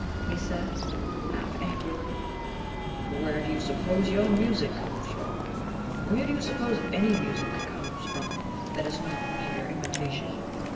he said, half angrily. "Where do you suppose your music comes from? Where do you suppose any music comes from that is not mere imitation?